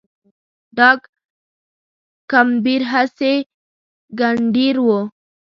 ډاګ کمبېر هسي ګنډېر و